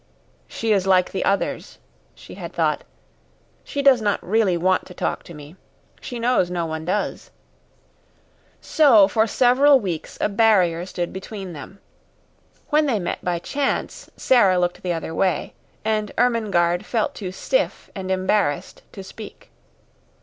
"She is like the others," she had thought. "She does not really want to talk to me. She knows no one does." So for several weeks a barrier stood between them. When they met by chance Sara looked the other way, and Ermengarde felt too stiff and embarrassed to speak.